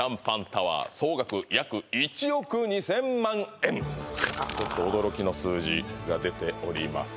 ホントそんなちょっと驚きの数字が出ております